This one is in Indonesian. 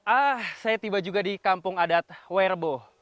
ah saya tiba juga di kampung adat werbo